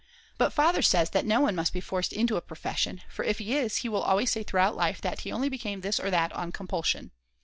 But Father says that no one must be forced into a profession, for if he is he will always say throughout life that he only became this or that on compulsion.